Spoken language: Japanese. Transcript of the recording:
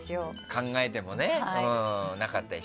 考えてもねなかったりしてね。